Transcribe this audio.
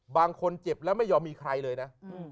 คนเจ็บแล้วไม่ยอมมีใครเลยนะ